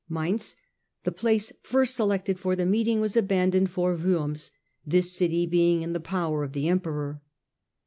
Mainz, the^place first selected for the meeting, was aban doned for Worms, this city being in the power of the emperor.